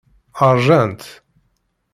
Ṛjant.